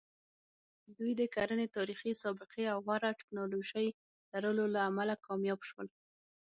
دوی د کرنې تاریخي سابقې او غوره ټکنالوژۍ لرلو له امله کامیاب شول.